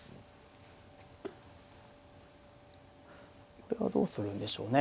これはどうするんでしょうね。